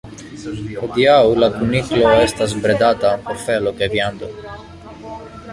Hodiaŭ la kuniklo estas bredata por felo kaj viando.